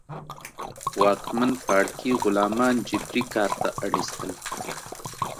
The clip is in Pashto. واکمن پاړکي غلامان جبري کار ته اړ اېستل.